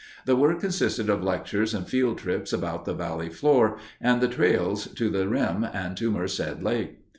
The work consisted of lectures and field trips about the valley floor and the trails to the rim and to Merced Lake.